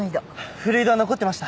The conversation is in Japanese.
古井戸は残ってました。